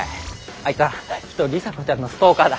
あいつはきっと里紗子ちゃんのストーカーだ。